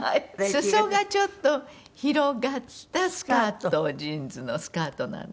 裾がちょっと広がったスカートジーンズのスカートなんですけれども。